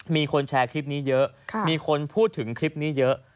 มีคนแชร์คลิปนี้เยอะมีคนพูดถึงคลิปนี้เยอะ